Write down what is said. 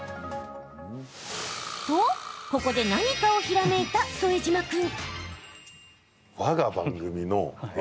と、ここで何かをひらめいた副島君。